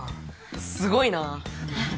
すごいな。